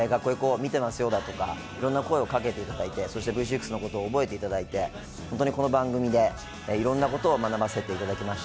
見てますよとかいろんな声をかけてくださって、Ｖ６のことを覚えていただいて、この番組でいろんなことを学ばせていただきました。